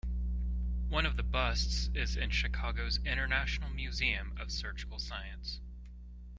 One of the busts is in Chicago's International Museum of Surgical Science.